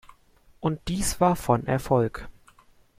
Und dies war von Erfolg.